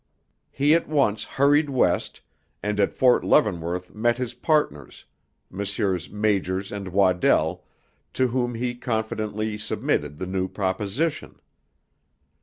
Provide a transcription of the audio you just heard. He at once hurried West, and at Fort Leavenworth met his partners, Messrs. Majors and Waddell, to whom he confidently submitted the new proposition.